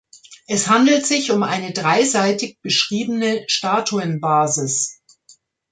Es handelt sich um eine dreiseitig beschriebene Statuenbasis.